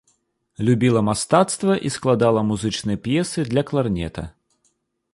Любіла мастацтва і складала музычныя п'есы для кларнета.